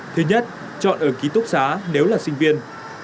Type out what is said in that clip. thứ nhất chọn ở ký túc xá nếu là sinh viên